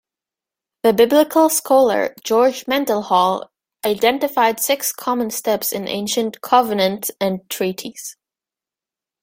The biblical scholar George Mendenhall identified six common steps in ancient covenants and treaties.